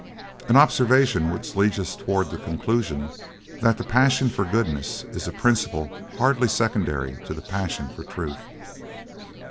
An observation which leads us towards the conclusion that the passion for goodness is a principle hardly secondary to the passion for truth.